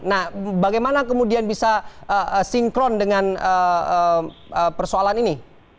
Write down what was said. nah bagaimana kemudian bisa sinkron dengan persoalan ini